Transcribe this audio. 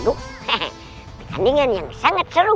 gok penandingan yang sangat seru